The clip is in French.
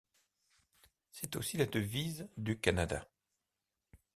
C'est aussi la devise du Canada.